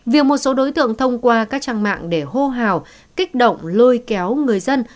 việc một số đối tượng thông qua các trang mạng để hô hào kích động lôi kéo người dân